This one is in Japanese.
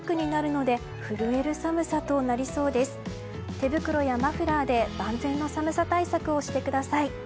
手袋やマフラーで万全の寒さ対策をしてください。